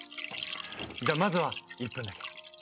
じゃあまずは１分だけ。